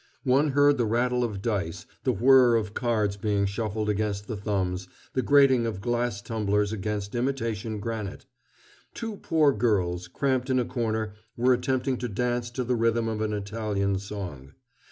One heard the rattle of dice, the whirr of cards being shuffled against the thumbs, the grating of glass tumblers against imitation granite. Two poor girls, cramped in a corner, were attempting to dance to the rhythm of an Italian song.